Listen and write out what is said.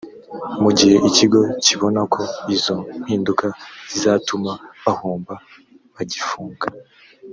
mu gihe ikigo kibona ko izo mpinduka zizatuma bahomba bagifunga